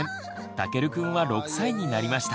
たけるくんは６歳になりました。